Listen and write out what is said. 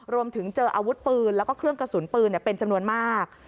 รวมถึงเจออาวุธปืนแล้วก็เครื่องกระสุนปืนเป็นจำนวนมาก